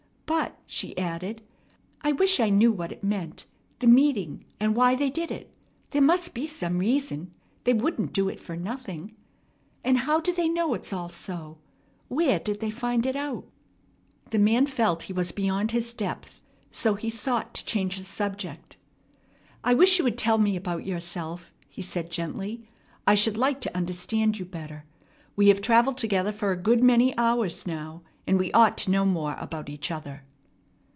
"But," she added, "I wish I knew what it meant, the meeting, and why they did it. There must be some reason. They wouldn't do it for nothing. And how do they know it's all so? Where did they find it out?" The man felt he was beyond his depth; so he sought to change the subject. "I wish you would tell me about yourself," he said gently. "I should like to understand you better. We have travelled together for a good many hours now, and we ought to know more about each other."